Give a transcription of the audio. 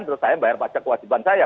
menurut saya bayar pajak kewajiban saya